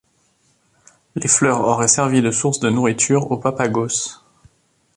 Les fleurs auraient servi de source de nourriture aux Papagos.